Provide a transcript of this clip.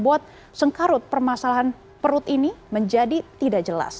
membuat sengkarut permasalahan perut ini menjadi tidak jelas